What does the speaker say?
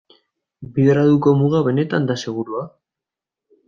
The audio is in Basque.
Bi graduko muga benetan da segurua?